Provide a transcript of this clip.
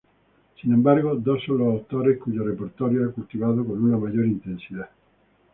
Sin embargo, dos son los autores cuyo repertorio ha cultivado con una mayor intensidad.